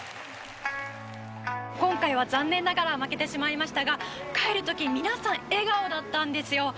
今回は残念ながら負けてしまいましたが帰る時皆さん笑顔だったんですよ。